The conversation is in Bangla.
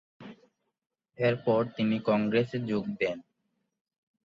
এরপর তিনি কংগ্রেসে যোগ দেন।